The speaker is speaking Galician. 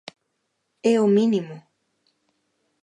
É o mínimo.